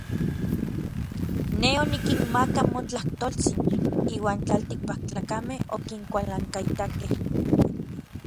Nej onikinmakak motlajtoltsin, iuan tlaltikpaktlakamej okinkualankaitakej.